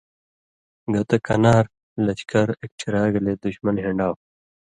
گتہ کَنار (لشکر) اېکٹھِرا گلے دُشمن ہِن٘ڈاؤ۔